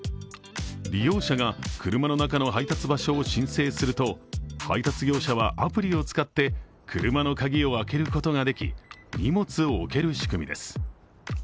利用者が車の中の配達場所を申請すると、配達業者はアプリを使って車の鍵を開けることができ、荷物を置けるる仕組みです。